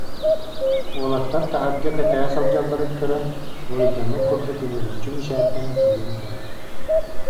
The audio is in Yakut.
Уолаттар таһырдьа кэтэһэ сылдьалларын көрөн, буруйдаммыт курдук үмүрүччү мичээрдээн тиийэн кэллэ: